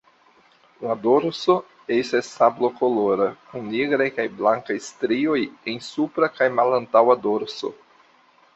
La dorso estas sablokolora kun nigraj kaj blankaj strioj en supra kaj malantaŭa dorso.